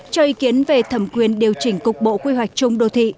cho ý kiến về thẩm quyền điều chỉnh cục bộ quy hoạch chung đô thị